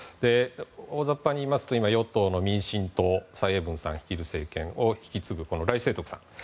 大雑把に言いますと今、民進党蔡英文さん率いる政権を引き継ぐライ・セイトクさん。